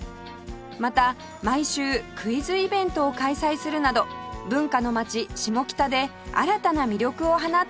また毎週クイズイベントを開催するなど文化の街下北で新たな魅力を放っています